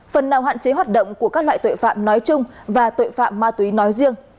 phần nào hạn chế hoạt động của các loại tội phạm nói chung và tội phạm ma túy nói riêng